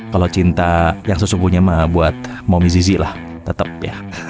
kalau cinta yang sesungguhnya mah buat mommy zizi lah tetep ya